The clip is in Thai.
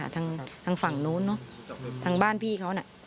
ทางฝั่งโน้นทางบ้านพี่เขานะ